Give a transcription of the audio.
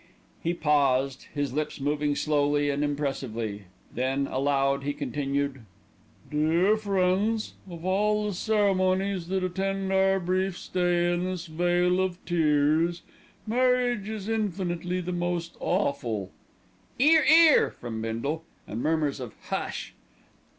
He paused, his lips moving slowly and impressively, then aloud he continued: "Dear friends, of all the ceremonies that attend our brief stay in this vale of tears, marriage is infinitely the most awful ("'Ear, 'ear!" from Bindle, and murmurs of "Hush!").